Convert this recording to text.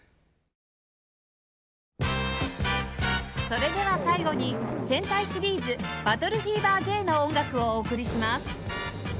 それでは最後に戦隊シリーズ『バトルフィーバー Ｊ』の音楽をお送りします